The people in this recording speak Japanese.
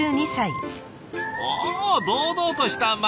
おお堂々とした丸。